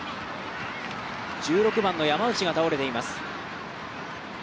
１６番の山内が倒れています。